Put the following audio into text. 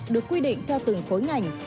được quy định theo từng khối ngành